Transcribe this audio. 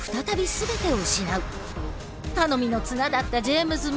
頼みの綱だったジェームズも。